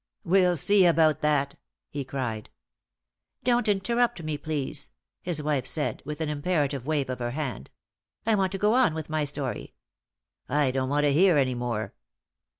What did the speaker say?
"We'll see about that," he cried. "Don't interrupt me, please," his wife said, with an imperative wave of her hand. "I want to go on with my story." "I don't want to hear any more."